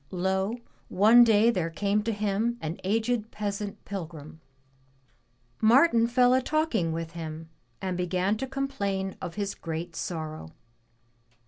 Lo! one day there came to him an aged peasant pilgrim. Martin fell a talking with him and began to complain of his great sorrow.